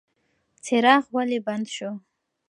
څراغ ولې بند شو؟